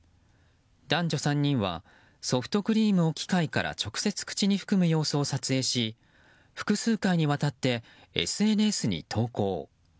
男女３人は、ソフトクリームを機械から直接口に含む様子を撮影し、複数回にわたってＳＮＳに投稿。